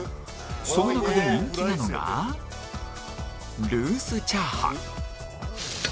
その中で人気なのがルースチャーハン